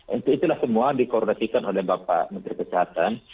itu itulah semua di koordinatikan oleh bapak menteri kesehatan